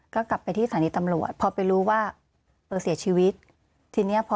ก็กลับไปที่สถานีตำรวจพอไปรู้ว่าเออเสียชีวิตทีเนี้ยพอ